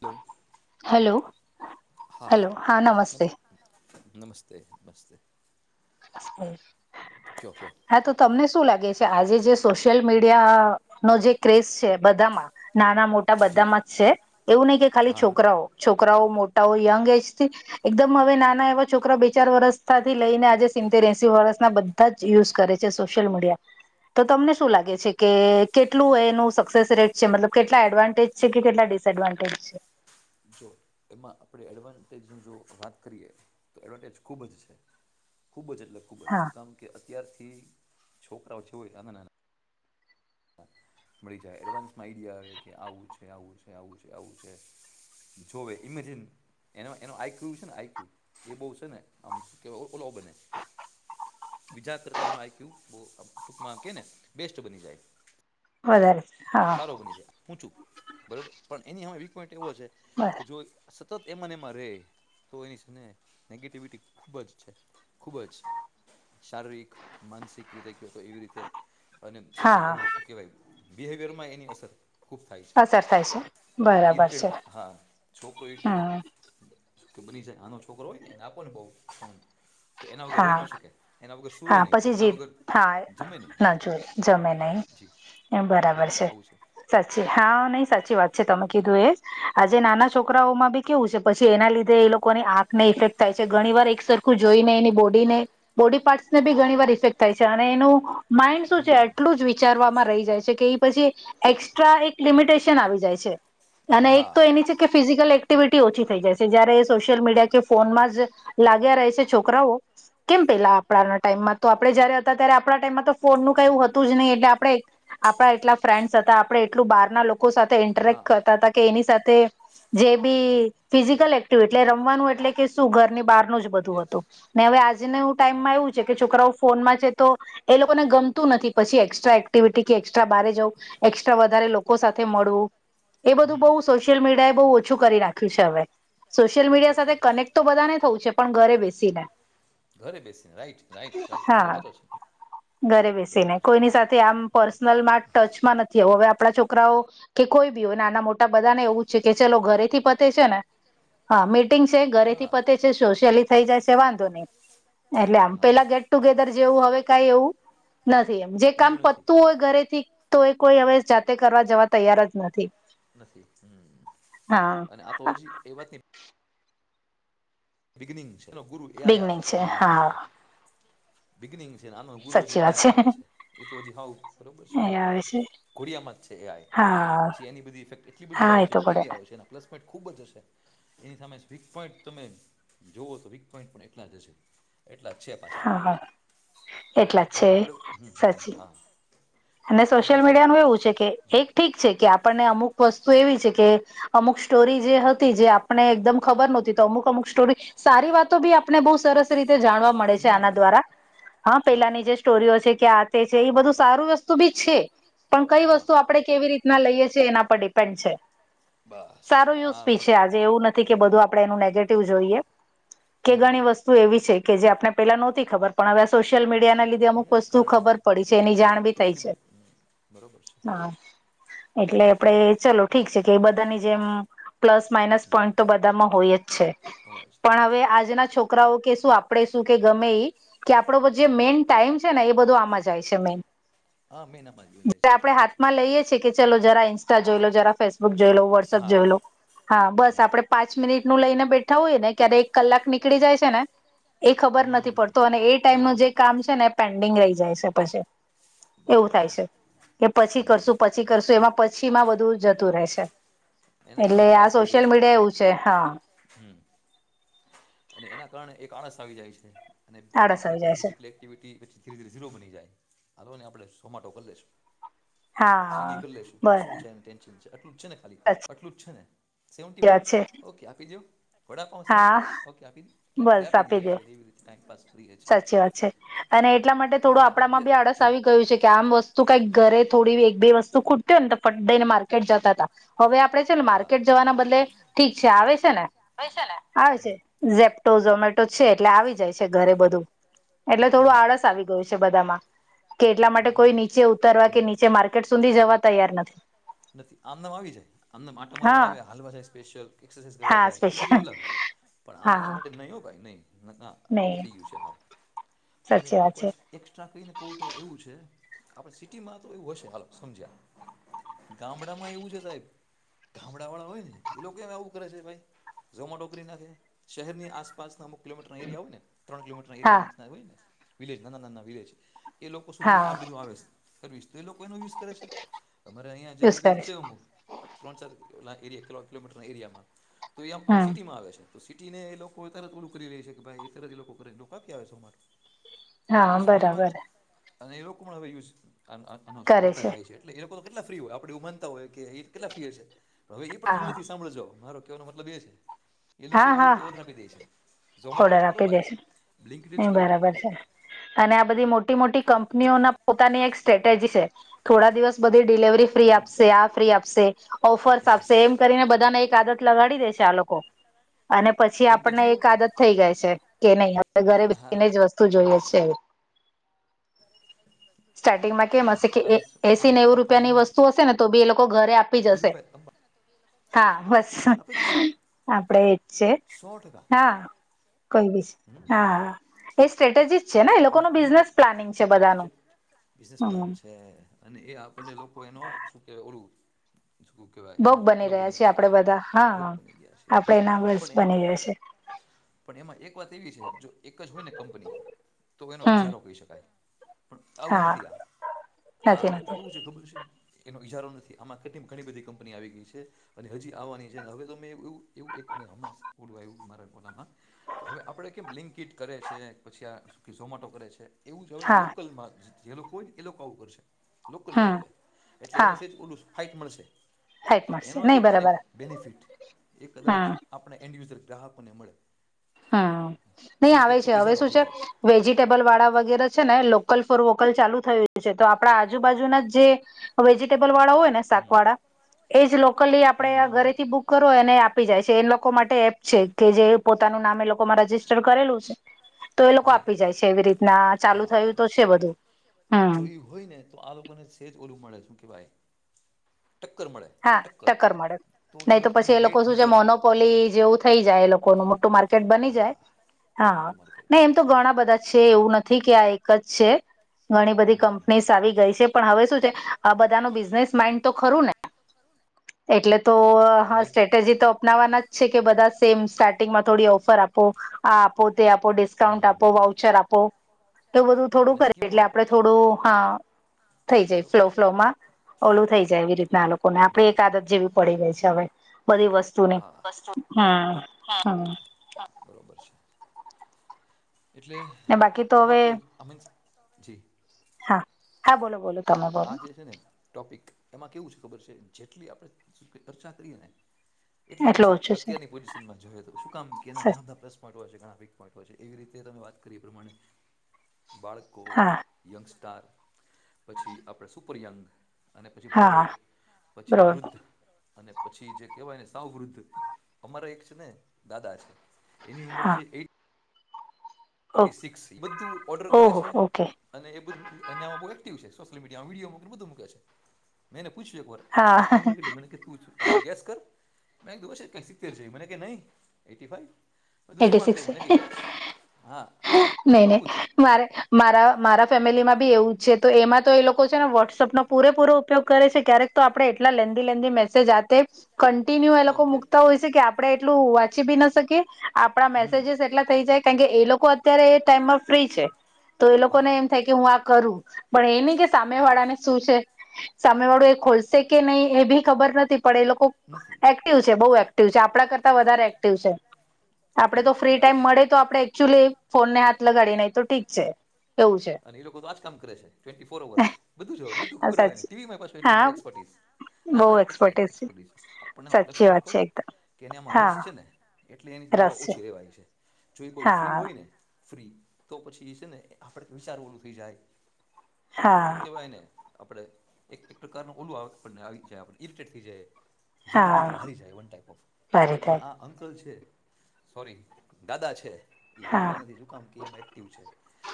તો હલો હા નમ નમસ્તે નમસ્તે હમ્મ ખ્યોખ્યો હા તો તમને શું લાગે છે, આજે જે સોશિયલ મીડિયા નો જે ક્રેઝ છે, બધામાં નાના મોટા બધામાં જ છે, એવુ નહી કે ખાલી છોકરાઓ. છોકરાઓ મોટાઓ યંગ એજ થી. એકદમ હવે નાના એવા છોકરા બે ચાર વર્ષથી લઈને આજે સિરેસી વર્સના બધા જ યુઝ કરે છે સોશિયલ મીડિયા તો તમને શું લાગે છે, કે કેટલું એનું સક્સેસ રેટ છે મતલબ કેટલા એડવાન્ટેજ જે કે કેટલા ડિસએડવાન્ટેજ છે. એમાં આપણે એડવાન્ટેજની જો વાત કરીએ તો એડવાન્ટેજ ખૂબજ છે. ખૂબ જ એટલે ખૂબ જું કામ કે અત્યારથી છોકરાઓ છે, હોય આના નાના મળી જાય એડવાન્સમાં આઈડિયા આવે કે આવું છે, આવુ છે, આવુ છે, આવુ છે. જોવે ઇમેજન એનો એનો આઈ ક્યુ છેને, આઈ ક્યુ એ બહુ છેને આમ શું કહેવાય ઓલો બને બીજા કરતા એનો આઈ ક્યુ ટૂંકમાં કે ને બેસ્ટ બની જાય. વધારે છે, હા સારો બની છે હુ છુ, બરોબર પણ એની હ વીક પોઈન્ટ એવો છે. બરા કે જો સતત એમાંને એમાં રહે, તો એની સાને નેગેટિવિટી ખૂબ જ છે. ખૂબ જ શારીરિક માનસિક રીતે કહેવા તો એવી રીતે અને પછી એનુ શું કહેવાય બિહેવિયરમાં એની અસર ખૂબ થાય છે, ઇરિટેડ હા છોકરો ઇરટેડ શ કે બની જાય, આનો છોકરો હોય ને એને આપો ને બઉ ફોન તો એના વગર રહી ન શકે એના વગર સુૂવે નહીં એના વગર જમે નહી. જી એમ બરાબર છે, સાચી હા નહી સાચી વાત છે તમે કીધું એ આજે નાના છોકરાઓમાં બી કેવું છે પછી એના લીધે એ લોકોની આંખ ને ઇફેક્ટ થાય છે ઘણી વાર એકસ જોઈ નને બને બો પાર્ટને બી ઘણી વાર ઇફેક્ટ થાય છે, અને એનું માઇન્ડશુ છે, એટલું જ વિચારવામાં રહી જાય છે, કે એ પછી એક્સ્ટ્રા એક લિમિટેશન આવી જાય છે. અને એક તો એની છે, કે ફિઝિકલ એક્ટિવિટી ઓછી થઈ જાય છે, જયારે એ સોશિયલ મીડિયા કે ફોનમાં જ લાગ્યા રહે છે, છોકરાઓ. કેમ પેલા આપણા ટાઈમમાં તો આપણે જયારે હતા ત્યારે આપણા ટાઈમમા તો ફોનનુ કવુ હતુ જ નહી એટલે આપણે આપણા એટલા ફ્રેન્ડ્સ હતા આપડે એટલું બહાર ના લોકો સાથે ઇન્ટરેક્ટ કરતા હતા. કે એની સાથે જે બી ફિઝિકલ એક્ટિવિ એટ રમવાનું એટલે કે શું ઘરની બહારનું જ બધું હતું ને હવે આજને ટાઈમમાં એવું છે કે છોકરાઓ ફોનમાં છે, તો એ લોકોને ગમતું નથી પછી એકક્સ્ટ્રા એક્ટિવિટી કે એકક્સ્ટ્રા બહરે જઉુ એસ્ટ્રા વધારે લોકો સાથે મળવુ એ બધું બહુ સોશિયલ મીડિયા એ બહુ ઓછું કરી રાખ્યું છે, હવે સોશિયલ મીડિયા સાથે કનેક્ટ તો બધા ને થવું છે, પણ ઘરે બેસીને ઘરે બેસીને રાઇટ હા ઘરે બેસીને કોઈની સાથે આમ પર્સનલ મા ટચમાં નથી, આવું હવે આપણા છોકરાઓ કે કોઈ બી હોય નાના મોટા બધા ને એવું છે કે ચલો ઘરેથી પતે છે ને હા છે ઘરેથી પતે છે સોશિયલી થઈ જાય છે વાંધો નહીં એટલે આમ પેલા ગેટ ટુગેધર જેવું હવે કઈ એવું નથી એમ જે કામ પતું હોય ઘરેથી તો એ કોઈ અમે જાતે કરવા જવા તૈયાર જ નથી નથી હ અને આ તો હ જ એ વાતની બિગનિંગ છે એ ગુરુ એ આઈ આવે છે આમાના મા તે બિગનિંગ છે ને આનો ગુરુ હજી એ આવે છે એ તો હજી હઉ બરોબર છે હા. ઘોડિયામાં જ છે એ આઈ પછી એની બધી ઇફેક્ટ એટલી બધી આવેશે ને એવી આવશે ને પ્લસ પોઈન્ટ ખૂબ જ હશે એની સામે વીક પોઈન્ટ તમે જોવઓ તો વીક પોઈન્ટ પણ એટલા જ હશે એટલા જ છે પાછા બરાબર હવે આપડુ હુ હુ હા અને સોશિયલ મીડિયા નુ એવું છે કે એક ઠીક છે કે આપણને અમુક વસ્તુ એવી છે કે અમુક સ્ટોરી જે હતી જે આપને એકદમ ખબર નહોતી તો અમુક અમુક સ્ટોરી સારી વાતો બી આપને બહુ સરસ રીતે જાણવા મળે છે આના દ્વારા હા પેલાની જે સ્ટોરીઓ છે કે આ તે છે એ બધું સારું વસ્તુ બી છે. પણ કઈ વસ્તુ આપણે કેવી રીતના લઈએ છીએ એના પર ડિપેન્ડ છે. સારો યુઝ પી છે આજ દેવુ નથી બધૂ એનુ નેગેટીવ જોઈએ કે ઘણી વસ તો એવી છે કે જે આપણે પેલા નહોતી ખબર પણ હવે આ સોશિયલ મીડિયા ના લી કે અમુક વસ્તુ ખબર પડી છે એની જાણવી કેટલી બધી બરાબર છે. એટલે આપડે ચલો ઠીક છે કે એ બધાની જેમ પ્લસ માઇનસ પોઈન્ટ તો બધામાં હોય જ છે પણ હવે આજના છોક કરાઓ કે શું આપણેે શું કે ગમે એ કે આપણ જે મેન ટાઈમ છે ને એ બધું આમાં જાય છે મેન હા મેન ભાઈ આપણે હાતમાલઈએ છે કે ચલો જરા ઇન્સ્ટા જોઈ લો જરા ફેસ જોઈ લો વોટ્સઅપ જોઈ લો હા બસ આપડે પાંચ મિનિટ નું લઈને બેઠા હોય ને ક્યારે એક કલાક નીકળી જાય છે ને એ ખબર નથી પડતો અને એ ટાઈમનું જે કામ છે ને એ પેન્ડિંગ રહી જાય છે પછી એવું થાય છે એ પછી કરશું પછી કરશું એમાં પછી માં બધું જતું રહેશે. એટલે આ સોશિયલ મીડિયા એવું છે હા. હમ. અને એના કારણે એક આળસ આવી જાય છે અને આપણે ફિઝિકલી એક્ટિવિટી પછી ધીરે ધીરે ઝીરો બની જાય આ ને આપણે સોમાટો કરી લેશું. સીગી કરી લેશું શું છે. [unintelligible] એટલું જ છે ને ખાલી આટલું જ છે ને સેવન્ટીવન ઓકે આપી દો. વડાફોન સેવન્ટીવન ઓકે આપી એટલે આપી દીયે એ છીએ એવી રીતે ટાઈમપાસ કરીએ છીએ. સાચી વાત છે અને એટલા માટે થોડું આપડામાં બી આળસ આવી ગયું છે કે આમ વસ્ત તું કઈ ઘરે થોડી એક બે વસ્તુ ખુટતી હો ને તો ફટદઈ ને માાર્કેટ જતા હતા. હવે આપડે છે માર્કેટ જવાના બદલે ઠીક છે આવે છે ને આવે છે. ઝપ્ટો ઝોમેટો છે એટલે આવી જાય છે. ઘરે બધું એટલે થોડું આળસ આવી ગયું છે બધામાં. કે એટલા માટે કોઈ નીચે ઉતરવા કે નીચે માર્કેટ સુધી જવા તૈયાર નથી નથી આમને આવી જાય આમને માટા મારવા આવે હાલવા જાય સ્પેશિયલ એક્સરસાાઈઝ કરવા જાય એ બધું બતાવે. પણ આના માટે નહીયો ભાઈ નહી આવું થઈ ગયું છે હાવ તને એક વર્ષ એક્સ્ટ્રા કહીને કવ તો એવું છે આપણે સિટીમાં તો એવું હશે હાલ સમજ્યા ગામડામાં એવું છે સાહેબ ગામડા વાળા હોય ને એ લોકો એમ આવું કરે છે ભાઈ. ઝોમાં ટોકરી નાખે શહેરની આસપાસના અમુક કિલોમીટ એરિયા હોય ને ત્રણ કિલોમીટર એિયામાં હોય ને વિલેજ નાના નાના વિલેજ એ લોકો સુધી આ બધું આવે છે કરવીશ તો એ લોકો એનો યુઝ કરે છે. અમારે અહીંયા જે વિક છે અમુક ત્રણ ચાર લા એરિયા કિલો કિલોમીટરના એરિયામાં તો એ આમ આ સિટીમાં આવે છે. તો સિટી ને એ લોકો તરત ઓલું કરી લે છે કે ભાઈ તર જ એ લોકો કરે લોકો ક્યાંથી આવે છે માંડ એટલું સ્પીડમાં જ અને એ લોકો પણ હવે યુસ આન આન સુ કરતા જ હોય છે એટલે એ તો કેટલા ફ્રી હોય આપડે એવું માનતા હોય કે કેટલા ફ્રી હશે હવે એ પણ ફ્રી નથી સાંભળજો મા કેવાનો મતલબ એ છે. એ લોકો આવી રીતે ઓર્ડર આપી દે છે ઝોમેટો જ કરો ભાઈ બ્લિંકટ જ કરો અછા. અને આ બધી મોટી મોટી કંપનીઓના પોતાની એક સ્ટ્રેટેજી છે. થોડા દિવસ બધી ડિલવરી ફ્રી આપશે આ ફ્રી આપશે ઓફર્સ આપશે એમ કરીને બધાને એક આદત લગાડી દેશે આ લોકો અને પછી આપણને એક આદત થઈ જાય છે કે નહી આપણે ઘરે બેસીને જ વસ્તુ જોઈએ છે. સ્ટાર્ટિંગમાં કેમ હશે કે એ એસી નેવું રૂપિયાની વસ્તુ હશે ને તો બી એ લોકો ઘરે આપી જશે હા બસ આપ છે હા કોઈ બી છે હા એ સ્ટ્રેટજી છે ને એ લોકોનું બિઝનેસ પ્લાનિંગ છે બધાનું હમ તે એ. અને એ આપડ લોકો એનો શું કેહેવાય ઓલું શુંકેહેવાય એનો ઓલો બનીએ છીએ. ભોગ બની ગયા છે પણ એનું પણ એમાં એક વાત એવી છે જો એક જ હોય ને કંપની તો એનો ઈજારો કહી શકાય પણ આવું નથી આ આ આખું કેવું છે ખબર છે. એનો ઈજારો નથી આમાંટ ઘણી બધી કંપની આવી ગઈ છે. અને હજી આવવાની છે હવે તો મેંવ એવું એવું એક મે હમણાં જ બોલવાયુ મારા કોનામાં હવે આપડે કેમ લિંકિટ કરે છે પછી આ કે ઝોમાટો કરે છે એવું જવે છે લોકલમાં જે લોકો હોય ને એ લોકો આવું કરશે લોકલ લેવલે એટલે એને સ જ ઓલું ફાઈટ મળશે. તો એનો જે કહે ને બેનિફિટ એ કદાચ આપણા ઇન્ડિવિઝ્યુઅલ ગ્રાહકોને મળે હા નહી આવે છે હવે શું છે વેજીિટેબલ વાળા વગેરે છે ને લોકલ ફોર વોકલ ચાલુ થયું છે તો આપણા આજુબાજુના જે વેજીિટેબલ વાળા હોય ને શાકવાળા એ લોકલી આપે ઘરેથી બુક કરો એને આપી જાય છે એ લોકો માટે એપ છે કે જે પોતાનું નામે એ લોકોમાં રજિસ્ટર કરેલું છે. તો એ લોકો આપી જાય છે એવી રીતના ચાલુ થયું તો છે બધું હમ હોય ને તો આ લોકોને સેજ ઓલું મળે શું કે વાય ટક્કર મળે હા ટક્કર મળે નહી તો પછી એ લોકો શું છે મોનોપોલી જેવું થઈ જાય એ લોકો કોનું મોટું માર્કેટ બની જાય હા ને એમ તો ઘણા બધા છે એવું નથી કે આ એકજ છે ઘણી બધી કંપનીઝ આવી ગઈ છે. પણ હવે શું છે આ બધા નુ બિઝનેસ માઈન્ડ તો ખરું ને એટલે તો હા સ્ટ્રેટેજી તો અપનાવાના જ છે કે બધા સેમ સ તેમાં થોડી ઓફર આપો આ આપો તે આપો ડિસ્કાઉન્ટ આપો વાઉચર આપો તો બધું થોડું કર એટલે આપડે થોડું હા થઈ જાય ફ્લો ફ્લોમાં ઓલું થઈ જાય એવી રીતના આ લોકોને આપણે એક આદત જેવી પડી રઈ છે હવે બધી વસ્તુ સુને હા. હા. બરોબર છે. એટલે આમા તો આમીન્સ જી હા. હા બોલો બોલો તમે આ જે છે ને ટોપિક એમાં કેવું છે ખબર છે જેટલી આપણે ચર્ચા કરીએ ને એટલી ઓછી અત્યારની પો ઝીશનમાં જોઇએ તો શું કામ કે ઘણા બધા પ્લસ પોઇન્ટ હોય છે ઘણા વીક પોન્ટ હોય છે એવી રીતે ત વાત કરી એ પ્રમાણે બાળકો યંગસ્ટાર પછી આપણે સુપરયંગ અને પછી પ્રોઢ પછી વૃદ્ધ અને પછી જે કહેવાય ને સાવ વૃદ્ધ અમારે એક છે ને દાદા છે એની ઉંમર છે એટ ટી સિક્સ એ બધું ઓર્ડર કરે છે અને એ બધું અને આમાં બહુ એક્ટિવ છે સોશિયલ મીડિયામાં વિડીયો મોકલલી બધું મૂક છે મે એને પૂછ્યું એક વાર આપની ઉંમર કેટલી મને કે તુ છુ પાછું ગેસ કર મે કીધુ હશે કંઇક સીતેર જેવી મને કે નહી એઇટી ફાઇવ એટી સિકસ છે નહી નહી મારે મારા મારા ફેમિલીમાં બી એવું જ છે તો એમાં તો એ લોકો છે ને વોટ્સઅપનો પૂરેપૂરો ઉપયોગ કરે છે ક્યારેક તો આપડે એટલા લેધી લેન્દી મેસેજ આતે કન્ટિન્યુ એ લોકો મુકતા હોય છે કે આપડણે એટલું વાંચી બી ના શકીએ આપણા મેસેજસ એટલા થઈ જાય કારણ કે એ લોકો અત્યારે એ ટાઈમમાં ફ્રી છે તો એ લોકોને એમ થાય કે હું આ કરું પણ એ નહી કે સામે વાળાને શું છે સામે વાળું એ ખોલશે કે નહી એ બી ખબર નથી પણ એ લોકો એક છે બ એક્ટિવ છે આપણા કરતા વધારે એક્ટિવ છે આપડણે તો ફ્રી ટાઈમ મળે તો આપડણે એકચુઅલી ફોનને હાથ લગાડી નહી તો ઠીક છે અને એ લોકો તો આ જ કામ કરે છે ટ્વેન્ટી ફોર અવર્સ બધું જ હોય બધું ખબર હોય ને ટીવી મારી પાસે એટલું બધ એક્પર્ટીસ અને આ એપર્ટ આપણને પ્લસ પોઈન્ટ કહું કે એને આમાં રસ છે ને એટલે એની દવા ઓછી લેવાય છે જો એ બહુ ફ્રી હોય ને ફ્રી તો પછી એ છે ને આપડે વિચાર ઓલું થઈ જાય ઓલું શું કહેવાય એને આપણે એક એક પ્રકારનું ઓલુંને આવી જાય ઇરિટેડ થઈ જાય જિંદગીથી હારી જાય વન ટાઈપ ઓફ પણ આ અંકલ છે સોરી દાદા છે એ હારતા નથી જો કામ કે એ આમાં એક્ટિવ છે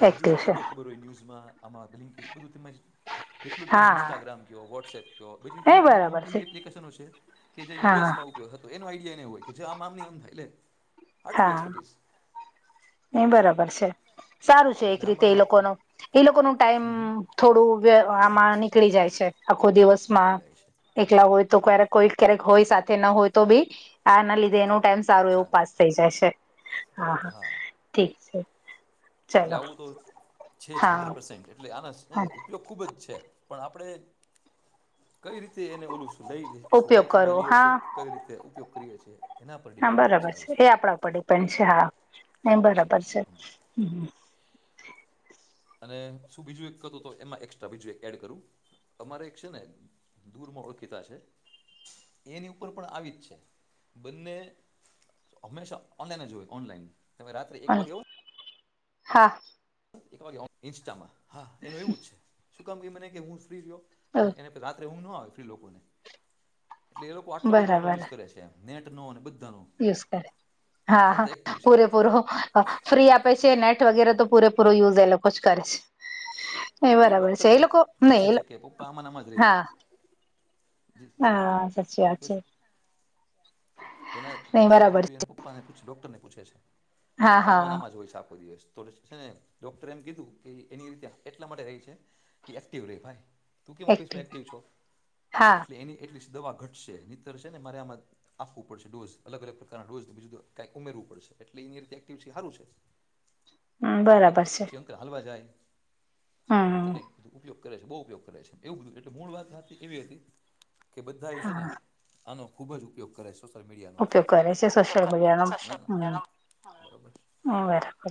એ હજી એને બધો ખબર હોય ન્યૂઝમાં આમાં બ લિંક એટું બધું તેમજ એટલું કહો ને ઇન્સ્ટાગ્રામ કવાો વોટ્સએપ એની પાસે અમુક એવી એપ્લિકેશનો છે કે જે યુએસમાં હતો એનો આઈડિયા નને હોય કે જે આમ આમ થાય લને હા એ બરાબર છે સારું છે એક રીતે એ એ લોકો ન ટાઈમ થોડું આમાં નીકળી જાય છે આખો દિવસ સ્મા એકલા હોય તો ક્યારેક કોઈ ક્યારેક હોય સાથે ના હોય તો બી આના લીધે એનો ટાઈમ સારું એવું પાસ થઈ જાય છે હા હા ઠીક છે એટલે આવું તો છે જ હંડ્રેડ પર્સેન્ટ એટલે આના છે ને ખૂબ જ છે પણ આપણે કઈ રીતે એને બોલું લું લાઈમ લાઇટ લઈએ છ છે કઈ રીતે ઉપયોગ કરીએ છીએ હા બરાબર છે એ આપણા ઉપર ડિપેન્ડ છે હા એ બરાબર છે હ અને શું બીજું એક ક હતું તો એમાં એકસ્ટ્રા બાજું એક એડ કરવું અમારે એક છે ને દૂરમાં ઓળખીતા છે એની ઉપર પણ આવી જ છે બંને હંમેશા ઓનલાઈને જો ઓનલાઈન તમે રાત્રે એક વાગે આવ હા એક વા ઇન્સ્ટામાં હા એનું એવું જ છે શું કામ ક મને કે હું ફ્રી રહ્યો એને રાત્રે ઊંઘ ના આવે ફ્રી લોકોને એટલે એ લોકો આટલો બધો આનો યુઝ કરે છે એમ નેટ નો અને બધા નો યુઝ કરે હા હા પૂરેપૂરો ફ્રી આપે છે નેટ વગેરે તો પૂરેપૂરો યુઝ એ લોકો જ કરે છે એ બરાબર છે એ લોકો નહી એ હા હા સાચી વાત છે. એના દીકરા દીકરી એને પપ્પાને પૂછ ડોક્ટર ને પૂછે છે કે પપ્પા આમા નામાં જ હોય છે આખો દિવસ તોડ છે ને ડૉક્ટરે એમ કીધું કે એની રીતે એટલા માટે રહે છે કે એક્ટિવ રહે ભાઈ તું કેમ ઓફિસમાં એક્ટિવ છો એટલે એની એટલી દવા ઘટશે નીતર છે ને મારે આમાં આપવું પડશે ડોઝ અલગ અલગ પ્રકારના ડોઝ બીજુ કઈક ઉમેરવું પડશે એટલે એની રીતે એક્ટિવિ સારું છે હ. એવું પછી અંકર હાલવા જાય. એ વખતે કંઈક બધું ઉપયોગ કરે છે બહુ ઉપયોગ કરે છે એવું બધું એટલે મૂળ વાત હતી એવી હતી. કે બધા એ છે ને આનો ખુબજ ઉપયોગ કરે છે મીડિયો નો હ બરાબર છે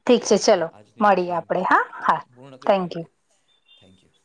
ઠીક છે ચલો મળીએ આપડે હા. પૂર્ણ કરીએ મળીએ થેન્કયુ.